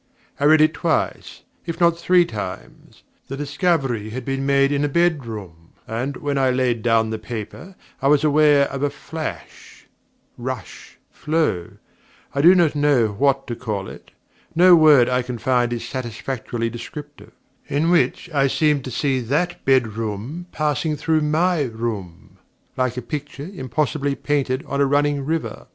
I read it twice, if not three times. The discovery had been made in a bedroom, and, when I laid down the paper, I was aware of a flash rush flow I do not know what to call it no word I can find is satisfactorily descriptive in which I seemed to see that bedroom passing through my room, like a picture impossibly painted on a running river.